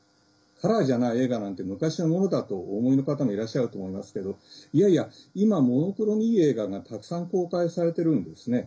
カラーじゃない映画なんて昔のものだとお思いの方もいらっしゃると思いますけどいやいや、今モノクロのいい映画がたくさん公開されてるんですね。